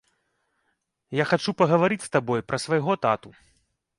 Я хачу пагаварыць з табой пра свайго тату.